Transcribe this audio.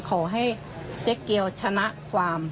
ขอให้เจ๊เกียวชนะความ